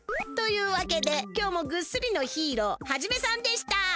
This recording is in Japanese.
というわけで今日もぐっすりのヒーローハジメさんでした！